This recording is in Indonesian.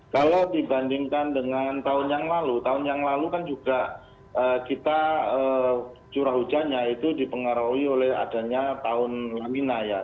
kalau dibandingkan dengan tahun yang lalu tahun yang lalu kan juga kita curah hujannya itu dipengaruhi oleh adanya tahun lamina ya